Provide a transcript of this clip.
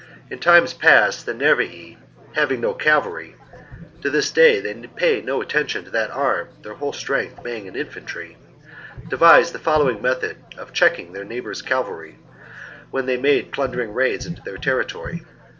In times past the Nervii, having no cavalry (to this day they pay no attention to that arm, their whole strength being in infantry), devised the following method of checking their neighbours' cavalry, when they made plundering raids into their territory.